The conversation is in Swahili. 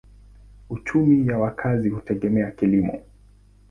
Uchumi ya wakazi hutegemea kilimo.